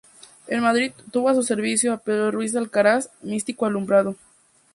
En Madrid, tuvo a su servicio a Pedro Ruiz de Alcaraz, místico alumbrado.